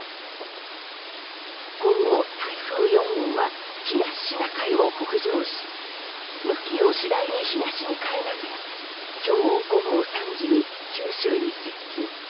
今後、台風４号は東シナ海を北上し向きを次第に東に変えながら今日、午後３時に九州に接近。